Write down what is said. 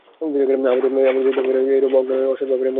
আমাদের হৃদয়- দর্পণেও এইরূপ অজ্ঞান ও অসৎ-ভাবের মলিনতা রহিয়াছে।